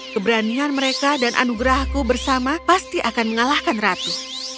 keberanian mereka dan anugerahku bersama pasti akan mengalahkan ratu